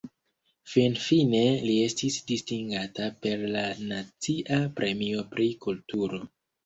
Finfine li estis distingata per la nacia premio pri kulturo.